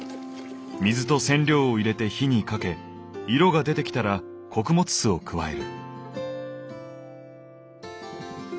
水と染料を入れて火にかけ色が出てきたら穀物酢を加える。